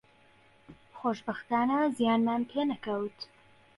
خۆشبەختانە زیانمان پێ نەکەوت